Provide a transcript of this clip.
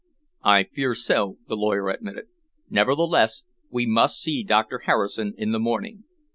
"I fear so," the lawyer admitted. "Nevertheless we must see Doctor Harrison in the morning.